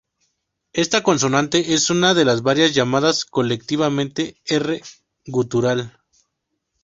Esta consonante es una de varias llamadas colectivamente R gutural.